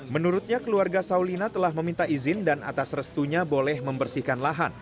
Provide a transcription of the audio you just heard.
menurutnya keluarga saulina telah meminta izin dan atas restunya boleh membersihkan lahan